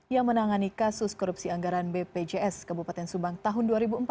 yang menangani kasus korupsi anggaran bpjs kabupaten subang tahun dua ribu empat belas